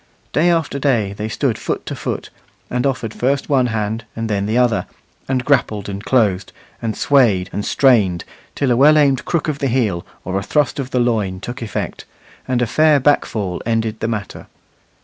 Day after day they stood foot to foot, and offered first one hand and then the other, and grappled and closed, and swayed and strained, till a well aimed crook of the heel or thrust of the loin took effect, and a fair back fall ended the matter.